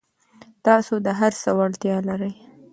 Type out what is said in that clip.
تاسو د هر څه وړتیا لرئ.